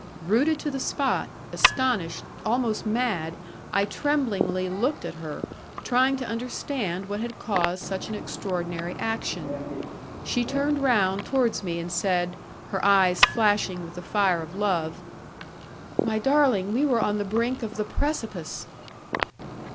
Rooted to the spot, astonished, almost mad, I tremblingly looked at her, trying to understand what had caused such an extraordinary action. She turned round towards me and said, her eyes flashing with the fire of love, "My darling, we were on the brink of the precipice."